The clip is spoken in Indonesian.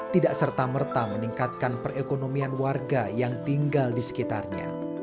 tidak serta merta meningkatkan perekonomian warga yang tinggal di sekitarnya